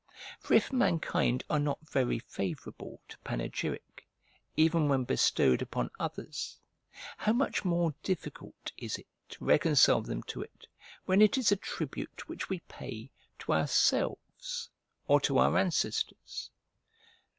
For, if mankind are not very favourable to panegyric, even when bestowed upon others, how much more difficult is it to reconcile them to it when it is a tribute which we pay to ourselves or to our ancestors?